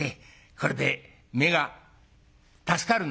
これで目が助かるんだ」。